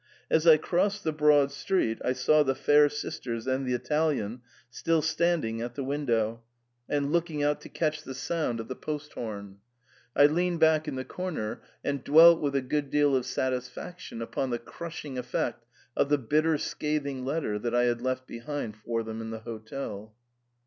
As I crossed the broad street I sa.w the fjiir sisters and the Italian still standing at the window, and looking out to catch the sound of the 52 THE PERM ATA. post horn. I leaned back in the corner, and dwelt with a good deal of satisfaction upon the crushing effect of the bitter scathing letter that I had left behind for them in the hotel."